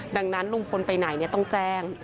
ดังนั้นลุงพลไปไหนต้องแจ้ง